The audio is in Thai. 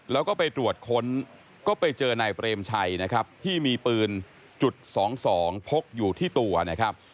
แล้วก็ไปตรวจค้นก็ไปเจอนายเปรมชัยนะครับที่มีปืนจุด๒๒พกอยู่ที่ตัวนะครับ